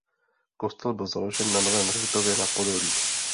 Kostel byl založen na novém hřbitově na Podolí.